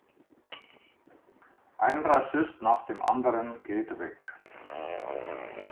Ein Rassist nach dem anderen geht weg.